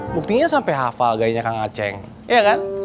buktinya sampe hafal gayanya kang aceh iya kan